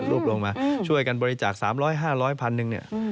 รูปลงมาช่วยกันบริจาค๓๐๐๕๐๐พันหนึ่งเนี่ย